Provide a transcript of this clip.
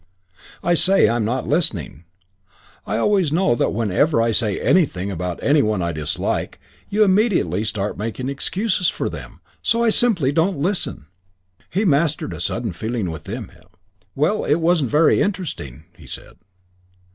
"I say I'm not listening. I always know that whenever I say anything about any one I dislike, you immediately start making excuses for them, so I simply don't listen." He mastered a sudden feeling within him. "Well, it wasn't very interesting," he said.